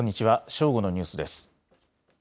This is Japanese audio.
正午のニュースです。